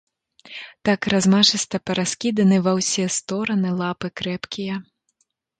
Так размашыста параскіданы ва ўсе стораны лапы крэпкія.